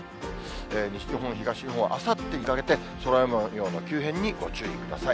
西日本、東日本は、あさってにかけて、空もようの急変にご注意ください。